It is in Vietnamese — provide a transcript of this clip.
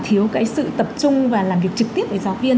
thiếu cái sự tập trung và làm việc trực tiếp với giáo viên